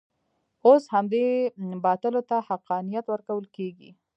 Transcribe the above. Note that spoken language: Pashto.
اوس همدې باطلو ته حقانیت ورکول کېږي.